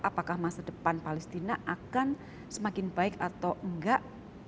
apakah masa depan palestina akan semakin baik atau enggak